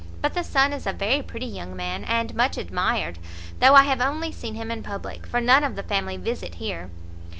But the son is a very pretty young man, and much admired; though I have only seen him in public, for none of the family visit here."